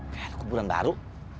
ke kuburan baru